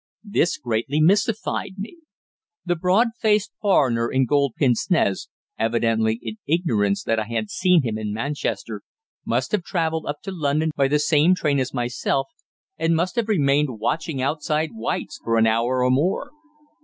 This greatly mystified me. The broad faced foreigner in gold pince nez, evidently in ignorance that I had seen him in Manchester, must have travelled up to London by the same train as myself, and must have remained watching outside White's for an hour or more!